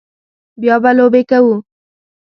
بیا به لوبې کوو